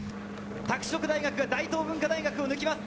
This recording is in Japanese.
拓殖大学、大東文化大学を抜きます。